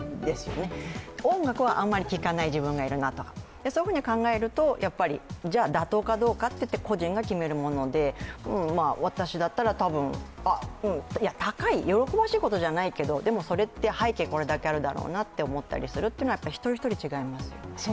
音楽はあまり聞かない自分がいるなとそういうふうに考えると、妥当かどうかって個人が決めるもので、私だったらたぶん高い、喜ばしいことじゃないけれどもでも、背景がこれだけあるだろうなと思ったりするのは一人一人違いますよね。